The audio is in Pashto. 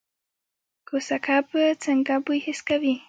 کوسه کب څنګه بوی حس کوي؟